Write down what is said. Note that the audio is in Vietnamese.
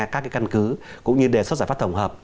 các cái căn cứ cũng như đề xuất giải pháp thổng hợp